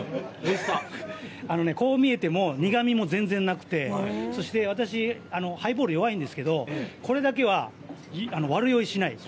こう見えても苦みも全然なくて私、ハイボール弱いんですけどこれだけは悪酔いしないんです。